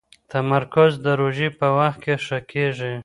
تمرکز د روژې په وخت کې ښه کېږي.